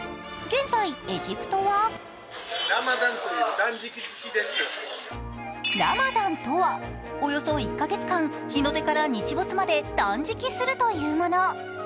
現在、エジプトはラマダンとは、およそ１カ月間、日の出から日没まで断食するというもの。